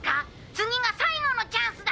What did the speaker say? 次が最後のチャンスだ」